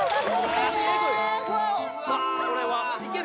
うわこれはいける？